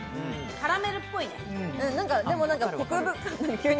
カラメルっぽい。